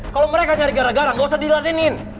kalau mereka nyari gara gara gak usah dilanin